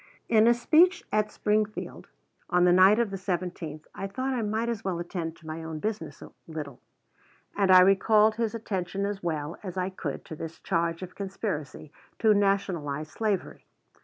In a speech at Springfield, on the night of the 17th, I thought I might as well attend to my own business a little; and I recalled his attention as well as I could to this charge of conspiracy to nationalize slavery.